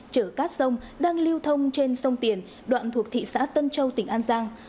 chở cát sông đang lưu thông trên sông tiền đoạn thuộc thị xã tân châu tỉnh an giang